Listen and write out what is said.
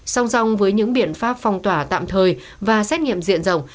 xong dòng với những biện pháp phong tỏa tạm thời và xét nghiệm diện rộng